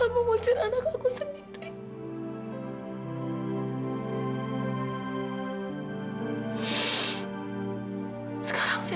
fadil ayah keluar